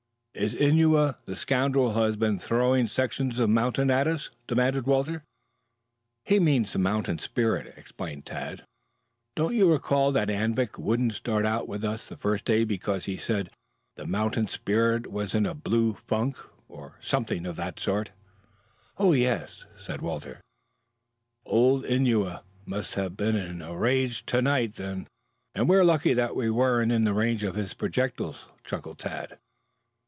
"Is Innua the scoundrel who has been throwing sections of mountains at us?" demanded Walter. "He means the mountain spirit," explained Tad. "Don't you recall that Anvik wouldn't start out with us the first day because he said the mountain spirit was in a blue funk, or something of the sort?" "Oh, yes." "Old Innua must have been in a rage to night then, and we are lucky that we weren't in range of his projectiles," chuckled Tad.